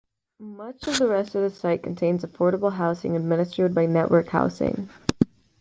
Much of the rest of the site contains affordable housing administered by Network Housing.